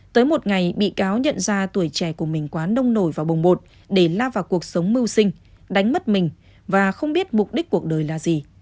tới một ngày bị cáo nhận ra tuổi trẻ của mình quá nông nổi và bùng bột để la vào cuộc sống mưu sinh đánh mất mình và không biết mục đích cuộc đời là gì